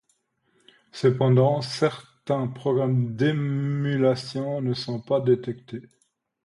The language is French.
Cependant, certains programmes d'émulation ne sont pas détectés.